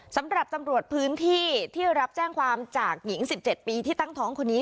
สำหรับตำรวจพื้นที่ที่รับแจ้งความจากหญิง๑๗ปีที่ตั้งท้องคนนี้